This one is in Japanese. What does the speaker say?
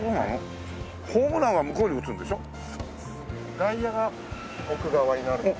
外野が奥側になるので。